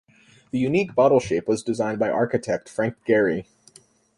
The unique bottle shape was designed by architect Frank Gehry.